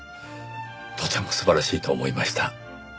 とても素晴らしいと思いました。